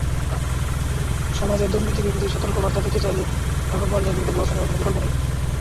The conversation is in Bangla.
সমাজে দুর্নীতিবিরোধী সতর্কবার্তা দিতে চাইলে রাঘববোয়ালদের বিরুদ্ধে ব্যবস্থা নেওয়ার কোনো বিকল্প নেই।